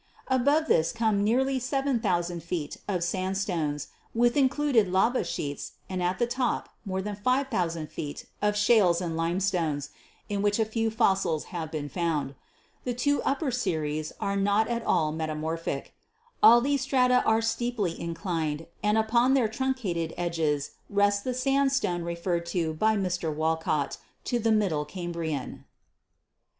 Above this come nearly 7,000 feet of sandstones, with included lava sheets, and at the top more than 5,000 feet of shales and lime stones, in which a few fossils have been found. The two upper series are not at all metamorphic. All these strata are steeply inclined and upon their truncated edges rests the sandstone referred by Mr. Walcott to the Middle Cam brian."